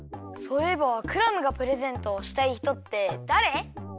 そういえばクラムがプレゼントをしたいひとってだれ？